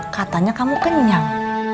katanya kamu kenyang